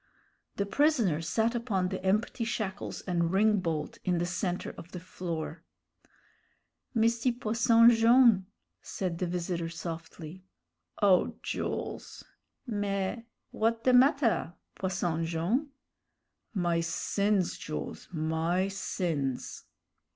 The prisoner sat upon the empty shackles and ring bolt in the centre of the floor. "Misty Posson Jone'," said the visitor, softly. "O Jools!" "Mais, w'at de matter, Posson Jone'?" "My sins, Jools, my sins!"